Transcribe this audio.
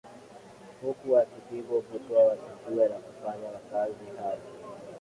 huku wakipigwa butwaa wasijue la kufanya wakazi hao